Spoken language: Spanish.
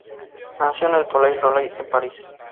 Nació en el Palais Royal en París.